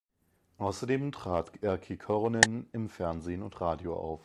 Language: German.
Außerdem trat Erkki Korhonen im Fernsehen und Radio auf.